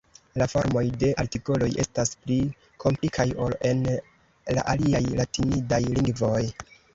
La formoj de artikoloj estas pli komplikaj ol en la aliaj latinidaj lingvoj.